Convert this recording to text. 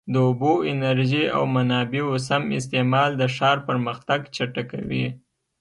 د اوبو، انرژۍ او منابعو سم استعمال د ښار پرمختګ چټکوي.